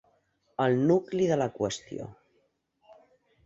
El nucli de la qüestió.